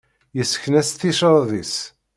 Yessken-as ticraḍ-is.